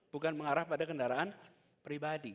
bukan mengarah pada kendaraan pribadi